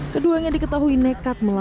keduanya diketahui nekat melawan